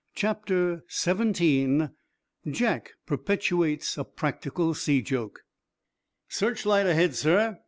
CHAPTER XVII JACK PERPETRATES A PRACTICAL SEA JOKE "Searchlight ahead, sir."